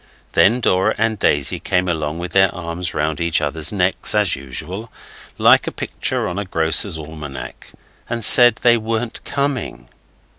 Then Dora and Daisy came along with their arms round each other's necks as usual, like a picture on a grocer's almanac, and said they weren't coming.